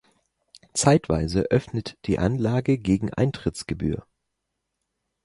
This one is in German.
Zeitweise öffnet die Anlage gegen Eintrittsgebühr.